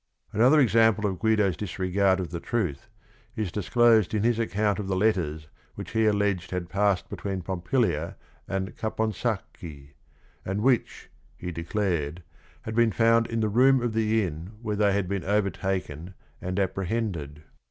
Another example of Guido's disregard of truth is disclosed in his account of the letters which he alleged had passed between Pompilia and Caponsacchi, and which, he declared, had been found in the room of the inn where they had been overtaken and apprehended.